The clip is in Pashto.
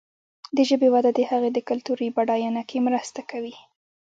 د ژبې وده د هغې د کلتوري بډاینه کې مرسته کوي.